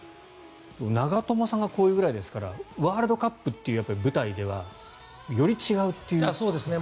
長友さんがこういうぐらいですからワールドカップという舞台ではより違うということですかね。